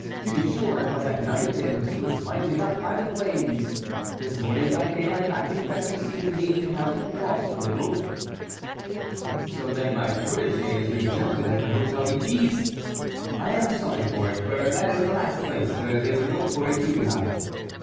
To be sure, it was at night and he was lighted up by the flames. This morning by daylight I confess he seemed to me to have lost a little." "So then my protégé is rejected at the Hôtel de Guise. I am sorry for it, for that is the last place where they would look for a Huguenot."